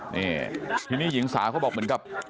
นี่ทีนี้หญิงสาวเขาบอกเหมือนกับ